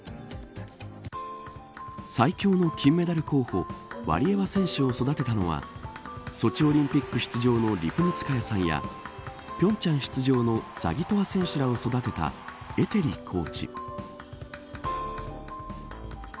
最強の金メダル候補ワリエワ選手を育てたのはソチオリンピック出場のリプニツカヤさんや平昌出場のザギトワ選手らを育てたエテリコーチ。